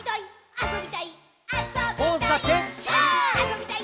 「あそびたいっ！」